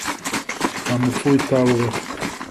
nta mupfu w'itabi ubaho